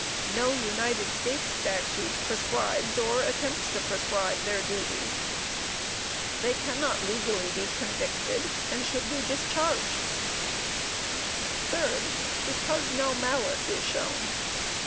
No United States statute prescribes or attempts to prescribe their duties. They cannot legally be convicted and should be discharged. 3. Because no malice is shown.